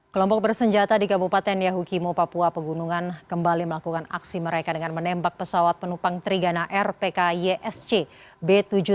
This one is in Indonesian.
kelompok bersenjata di kabupaten yahukimo papua pegunungan kembali melakukan aksi mereka dengan menembak pesawat penumpang trigana air pkysc b tujuh ratus sepuluh